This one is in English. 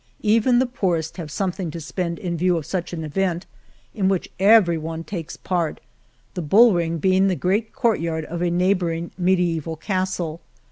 Even the poorest have something to spend in view of such an event, in which everyone takes part, the bull ring being the great courtyard of a neighboring mediaeval castle.